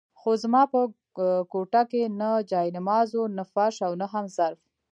خو زما په کوټه کې نه جاینماز وو، نه فرش او نه هم ظرف.